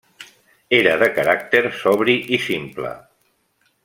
Era de caràcter sobri i simple.